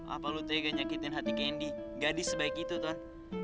apa lo tega nyakitin hati candy gadis sebaik itu ton